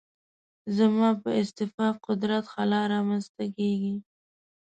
زما په استعفا قدرت خلا رامنځته کېږي.